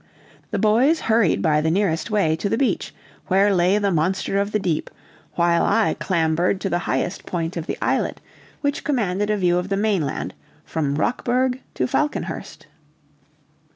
The boys hurried by the nearest way to the beach where lay the monster of the deep, while I clambered to the highest point of the islet, which commanded a view of the mainland, from Rockburg to Falconhurst.